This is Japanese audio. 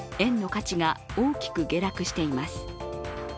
価値が大きく下落しています。